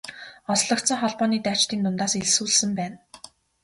Олзлогдсон холбооны дайчдын дундаас элсүүлсэн байна.